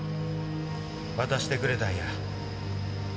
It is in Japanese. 渡してくれたんや茜が。